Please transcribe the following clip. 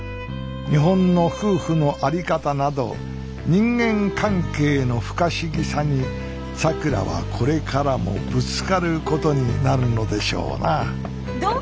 日本の夫婦の在り方など人間関係の不可思議さにさくらはこれからもぶつかることになるのでしょうなどう？